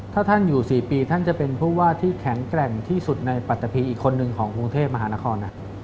ถ้าท่านอยู่๔ปีท่านจะเป็นผู้ว่าที่แข็งแกร่งที่สุดในปัตตะพีอีกคนหนึ่งของกรุงเทพมหานคร